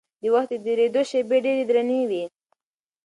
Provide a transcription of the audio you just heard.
د وخت د درېدو شېبې ډېرې درنې وي.